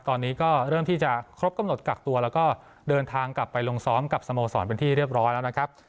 ตอนนี้ก็เริ่มที่จะครบกำหนดกักตัวแล้วก็เดินทางกลับไปลงซ้อมกับสโมสรเป็นที่เรียบร้อยแล้วนะครับ